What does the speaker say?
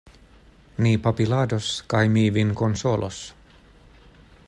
Ni babilados, kaj mi vin konsolos.